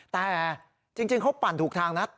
แต่จริงเขาปั่นถูกทางนะ